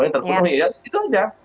terpenuhi ya itu saja